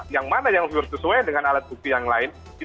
yang mana yang sesuai dengan alat bukti yang lain